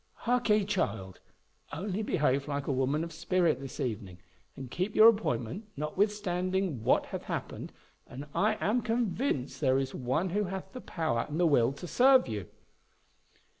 "Harkee, child; only behave like a woman of spirit this evening, and keep your appointment, notwithstanding what hath happened; and I am convinced there is one who hath the power and the will to serve you."